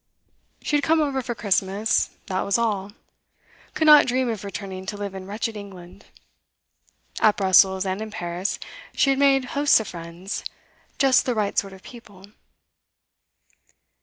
She had come over for Christmas, that was all; could not dream of returning to live in wretched England. At Brussels and in Paris she had made hosts of friends, just the right sort of people.